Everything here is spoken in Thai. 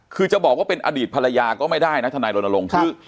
คือจะบอกว่าเป็นอดีตภรรยาก็ไม่ได้นะทนายรณรงค์คือ